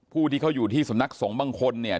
ผู้ที่เขาอยู่ที่สำนักสงฆ์บางคนเนี่ย